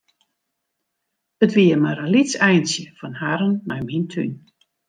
It wie mar in lyts eintsje fan harren nei myn tún.